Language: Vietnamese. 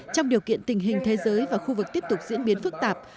trong điều kiện tình hình thế giới và khu vực tiếp tục diễn biến phức tạp